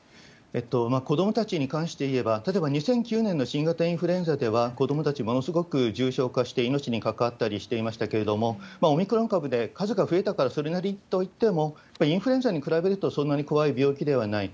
子どもたちに関していえば、例えば２００９年の新型インフルエンザでは、子どもたち、ものすごく重症化して命に関わったりしていましたけれども、オミクロン株で数が増えたから、それなりといっても、やっぱりインフルエンザに比べるとそんなに怖い病気ではない。